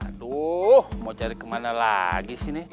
aduh mau cari kemana lagi sih nih